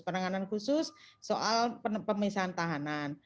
penanganan khusus soal pemisahan tahanan